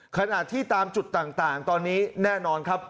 ขณะที่ตามจุดต่างตอนนี้แน่นอนครับ